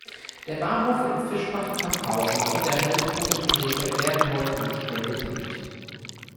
Der Bahnhof in Fischbach-Camphausen und der Haltepunkt in Brefeld werden heute nicht mehr bedient.